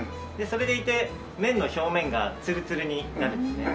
それでいて麺の表面がツルツルになるんですね。